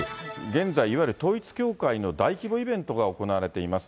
現在、いわゆる統一教会の大規模イベントが行われています。